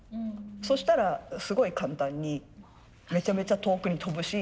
そしたらすごい簡単にめちゃめちゃ遠くに飛ぶし。